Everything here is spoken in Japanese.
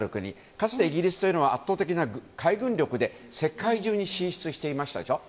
かつてイギリスというのは圧倒的な海軍力で世界中に進出していましたでしょう？